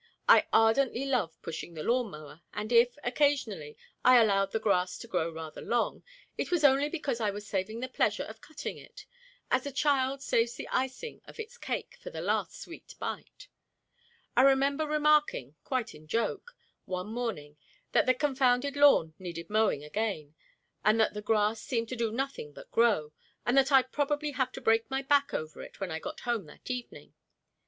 I ardently love pushing the lawn mower, and if, occasionally, I allowed the grass to grow rather long, it was only because I was saving the pleasure of cutting it, as a child saves the icing of its cake for the last sweet bite. I remember remarking, quite in joke, one morning, that the confounded lawn needed mowing again, and that the grass seemed to do nothing but grow, and that I'd probably have to break my back over it when I got home that evening.